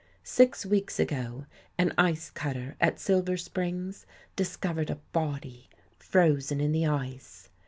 Six weeks ago an ice cutter at Silver Springs discovered a body frozen in the ice.